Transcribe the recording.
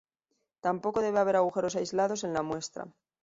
Tampoco debe haber agujeros aislados en la muestra.